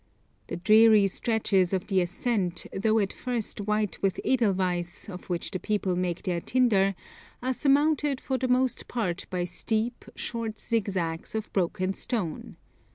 The dreary stretches of the ascent, though at first white with edelweiss, of which the people make their tinder, are surmounted for the most part by steep, short zigzags of broken stone.